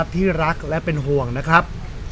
ที่รักและเป็นห่วงนะครับ